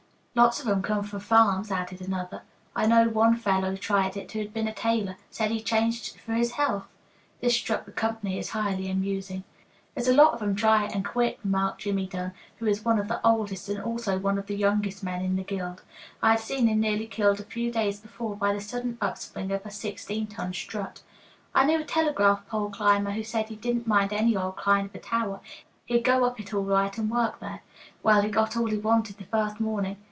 '" "Lots of 'em come from farms," added another. "I know one fellow tried it who'd been a tailor. Said he changed for his health." This struck the company as highly amusing. "There's lots of 'em try it and quit," remarked Jimmie Dunn, who is one of the oldest and also one of the youngest men in the guild. I had seen him nearly killed a few days before by the sudden up swing of a sixteen ton strut. "I knew a telegraph pole climber who said he didn't mind any old kind of a tower; he'd go up it all right and work there. Well, he got all he wanted the first morning.